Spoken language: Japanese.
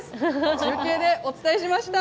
中継でお伝えしました。